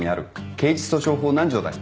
刑事訴訟法何条だっけ？